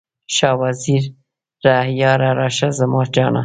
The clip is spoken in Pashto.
شاه وزیره یاره، راشه زما جانه؟